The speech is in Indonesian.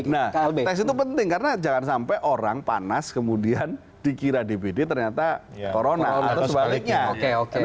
nah teks itu penting karena jangan sampai orang panas kemudian dikira dpd ternyata corona atau sebaliknya